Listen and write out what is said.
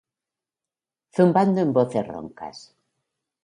Zumbando en voces roncas